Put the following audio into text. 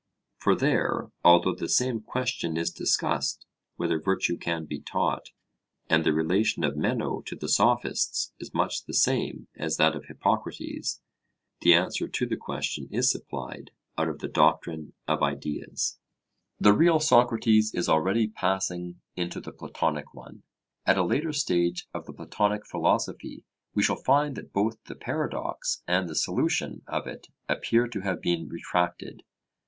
For there, although the same question is discussed, 'whether virtue can be taught,' and the relation of Meno to the Sophists is much the same as that of Hippocrates, the answer to the question is supplied out of the doctrine of ideas; the real Socrates is already passing into the Platonic one. At a later stage of the Platonic philosophy we shall find that both the paradox and the solution of it appear to have been retracted.